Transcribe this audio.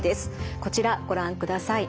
こちらご覧ください。